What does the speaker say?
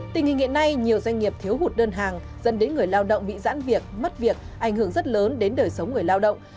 tình hình hiện nay nhiều doanh nghiệp thiếu hụt đơn hàng dẫn đến người lao động bị giãn việc mất việc ảnh hưởng rất lớn đến đời sống người lao động